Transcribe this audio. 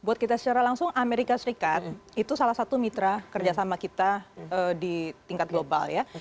buat kita secara langsung amerika serikat itu salah satu mitra kerjasama kita di tingkat global ya